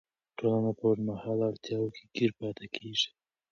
ټولنه په اوږدمهاله اړتیاوو کې ګیر پاتې کیږي.